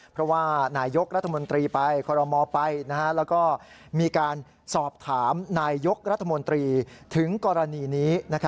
เพราะว่านายกรัฐมนตรีไปคอรมอลไปแล้วก็มีการสอบถามนายยกรัฐมนตรีถึงกรณีนี้